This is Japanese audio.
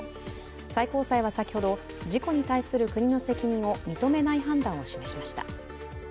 最高裁は先ほど、事故に対する国の責任を認めない判断を示しました。